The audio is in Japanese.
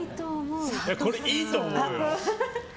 これいいと思うよ。